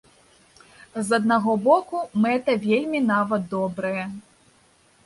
З аднаго боку, мэта вельмі нават добрая.